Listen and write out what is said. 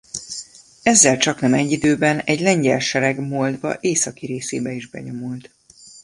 Ezzel csaknem egy időben egy lengyel sereg Moldva északi részébe is benyomult.